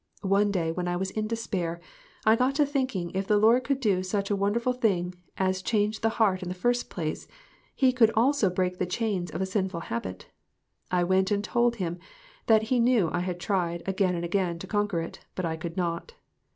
One day, when I was in despair, I got to thinking if the Lord could do such a won derful thing as change the heart in the first place, he could also break the chains of a sinful habit, I went and told him that he knew I had tried, again and again, to conquer it, but I could not.